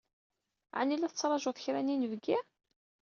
Ɛni la tettṛajud kra n yinebgi?